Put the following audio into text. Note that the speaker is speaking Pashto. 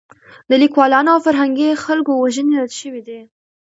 د لیکوالانو او فرهنګي خلکو وژنې رد شوې دي.